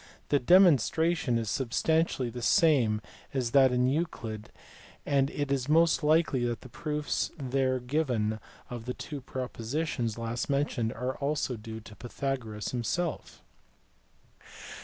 The demon stration is substantially the same as that in Euclid, and it is most likely that the proofs there given of the two propo sitions last mentioned are also due to Pythagoras himself.